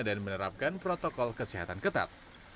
dan menerapkan protokol kesehatan ketat